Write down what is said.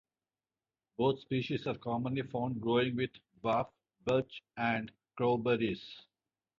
Both species are commonly found growing with dwarf birch and crowberries.